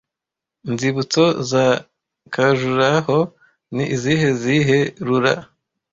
Inzibutso za Khajuraho ni izihe zihe rular